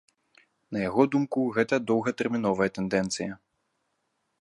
На яго думку, гэта доўгатэрміновая тэндэнцыя.